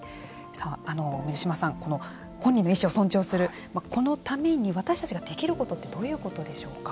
水島さん、本人の意思を尊重するこのために私たちができることってどういうことでしょうか。